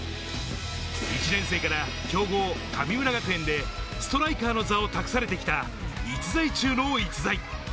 １年生から強豪・神村学園でストライカーの座を託されてきた逸材中の逸材。